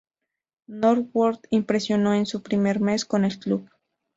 Norwood impresionó en su primer mes con el club.